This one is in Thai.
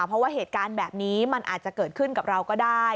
เพราะว่าเหตุการณ์แบบนี้มันอาจจะเกิดขึ้นกับเราก็ได้